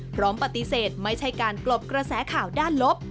พร้อมปฏิเสธไม่ใช่การกลบกระแสข่าวด้านลบ